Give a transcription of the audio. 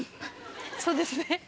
そうですね。